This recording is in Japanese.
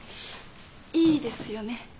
いいですよね？